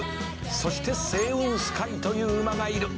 「そしてセイウンスカイという馬がいる」